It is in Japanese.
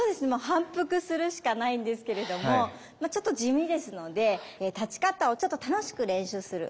反復するしかないんですけれどもちょっと地味ですので立ち方をちょっと楽しく練習する方法があります。